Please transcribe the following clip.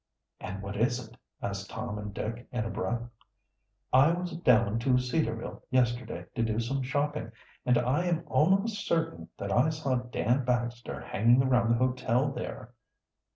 "And what is it?" asked Tom and Dick, in a breath. "I was down to Cedarville yesterday to do some shopping, and I am almost certain that I saw Dan Baxter hanging around the hotel there."